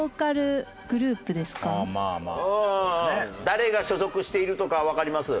誰が所属しているとかわかります？